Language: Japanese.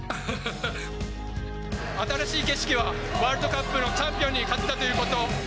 新しい景色は、ワールドカップのチャンピオンに勝てたということ。